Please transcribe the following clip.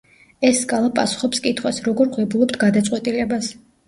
ეს სკალა პასუხობს კითხვას: როგორ ვღებულობთ გადაწყვეტილებას?